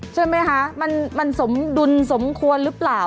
ใช่ไหมคะมันสมดุลสมควรหรือเปล่า